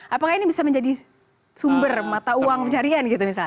apakah ini bisa menjadi sumber mata uang pencarian gitu misalnya